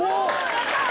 やったー！